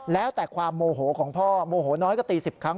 แล้วแต่ความโมโหของพ่อโมโหน้อยก็ตี๑๐ครั้ง